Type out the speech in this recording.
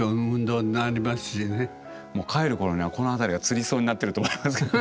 もう帰る頃にはこの辺りがつりそうになってると思いますけど。